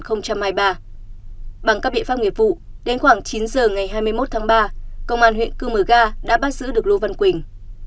bằng các biện pháp nghiệp vụ đến khoảng chín giờ ngày hai mươi một tháng ba công an huyện cư mờ ga đã bắt giữ được lô văn quỳnh